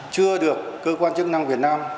chưa được cơ quan chức năng việt nam